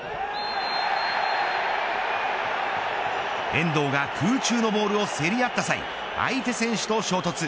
遠藤は空中のボールを競り合った際相手選手と衝突。